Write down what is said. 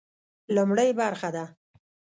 لومړۍ برخه ده.